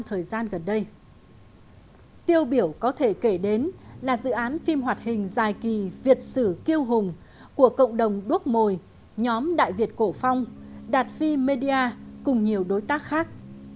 tiêu biểu có thể kể đến là dự án phim hoạt hình dài kỳ việt sử kiêu hùng của cộng đồng đuốc mồi nhóm đại việt cổ phong đạt phi media cùng nhiều đối tác khác